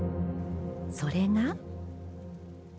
それが。